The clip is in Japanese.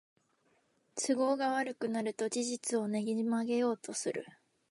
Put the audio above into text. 都合が悪くなると事実をねじ曲げようとする